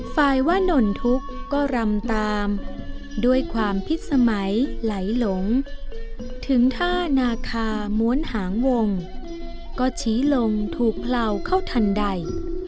ว่านนทุกข์ก็รำตามด้วยความพิษสมัยไหลหลงถึงท่านาคาม้วนหางวงก็ชี้ลงถูกเผลาเข้าทันใด